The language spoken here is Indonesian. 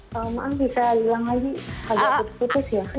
kalau maaf bisa hilang lagi agak putus putus ya